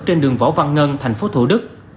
trên đường võ văn ngân thành phố thủ đức